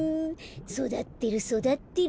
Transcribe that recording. そだってるそだってる。